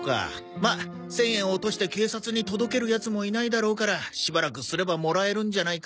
まあ１０００円落として警察に届けるヤツもいないだろうからしばらくすればもらえるんじゃないか？